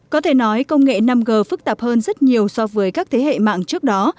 có thể nói công nghệ năm g phức tạp hơn rất nhiều so với các thế hệ mạng trước đó